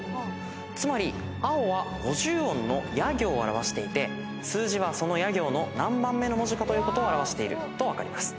つまり青は５０音のヤ行を表していて数字はそのヤ行の何番目の文字かということを表していると分かります。